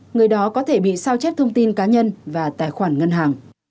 người đó có thể bị sao chép thông tin cá nhân và tài khoản ngân hàng